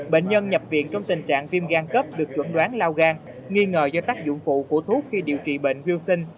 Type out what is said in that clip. bệnh nhân nhập viện trong tình trạng viêm gan cấp được chuẩn đoán lao gan nghi ngờ do tác dụng phụ của thuốc khi điều trị bệnh wilson